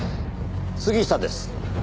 杉下です。